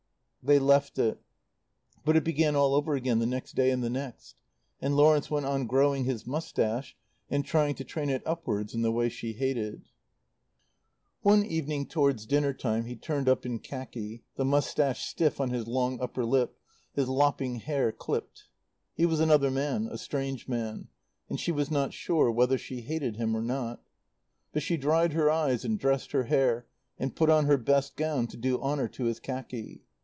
They left it. But it began all over again the next day and the next. And Lawrence went on growing his moustache and trying to train it upwards in the way she hated. One evening, towards dinner time he turned up in khaki, the moustache stiff on his long upper lip, his lopping hair clipped. He was another man, a strange man, and she was not sure whether she hated him or not. But she dried her eyes and dressed her hair, and put on her best gown to do honour to his khaki.